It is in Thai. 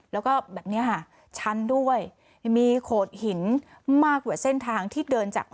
แล้วก็แบบนี้ค่ะชั้นด้วยมีโขดหินมากกว่าเส้นทางที่เดินจาก